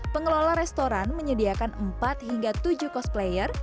pengelola restoran menyediakan empat hingga tujuh cosplayer